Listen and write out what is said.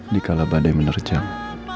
dikalah badai menerjang